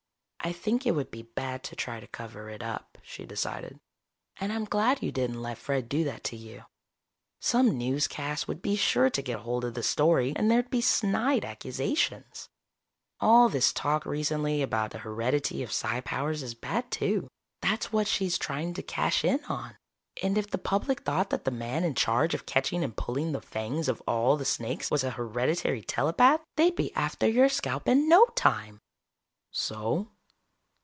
"I think it would be bad to try to cover it up," she decided. "And I'm glad you didn't let Fred do that to you. Some newscast would be sure to get hold of the story and there'd be snide accusations. All this talk recently about the heredity of psi powers is bad, too. That's what she's trying to cash in on. And if the public thought that the man in charge of catching and pulling the fangs of all the snakes was a hereditary telepath, they'd be after your scalp in no time." "So?"